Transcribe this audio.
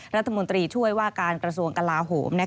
รัฐมนตรีช่วยว่าการกระทรวงกลาโหม